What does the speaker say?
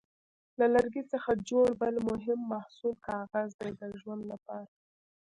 له لرګي څخه جوړ بل مهم محصول کاغذ دی د ژوند لپاره.